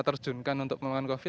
terjunkan untuk memakan covid